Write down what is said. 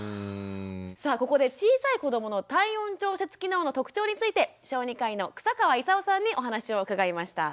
さあここで小さい子どもの体温調節機能の特徴について小児科医の草川功さんにお話を伺いました。